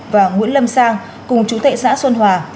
và nguyễn lâm sang cùng chú tệ xã xuân hòa